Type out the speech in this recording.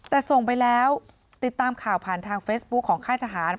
แต่ส่งไปแล้วติดตามข่าวผ่านทางเฟซบุ๊คของค่ายทหาร